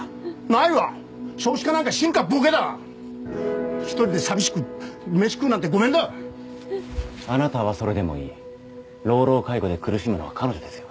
ないわ少子化なんか知るかボケだ１人で寂しく飯食うなんてごめんだあなたはそれでもいい老老介護で苦しむのは彼女ですよ